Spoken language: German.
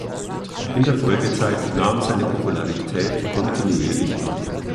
In der Folgezeit nahm seine Popularität kontinuierlich ab.